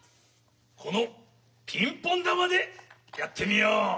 このピンポンだまでやってみよう。